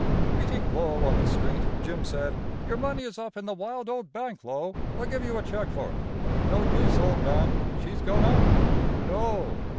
Meeting Lo on the street, Jim said: "Your money is up in the Wild Oat Bank, Lo. I'll give you a check for it." "No use, old man, she's gone up." "No!!"